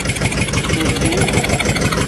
Ede.